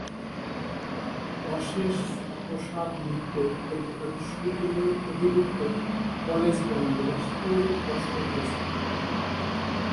অশেষ প্রসাদ মিত্র কলকাতা বিশ্ববিদ্যালয়ের অধিভুক্ত কলেজ বঙ্গবাসী কলেজে পড়াশোনা করেছেন।